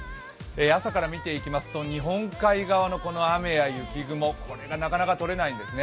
朝から見ていきますと日本海側の雨や雪雲これがなかなか取れないんですね。